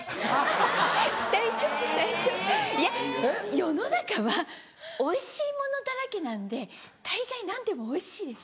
世の中はおいしいものだらけなんで大概何でもおいしいです。